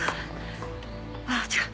あっ違う。